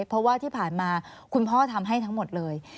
เพราะว่าที่ผ่านมาคุณพ่อทำให้ทั้งหมดเลย